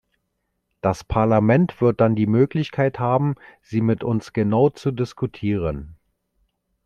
Das Parlament wird dann die Möglichkeit haben, sie mit uns genau zu diskutieren.